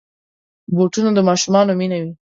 بوټونه د ماشومانو مینه وي.